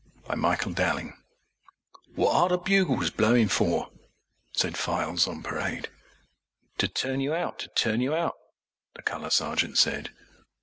R. K. Danny Deever âWhat are the bugles blowin' for?â said Files on Parade. âTo turn you out, to turn you outâ, the Colour Sergeant said.